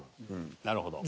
なるほど。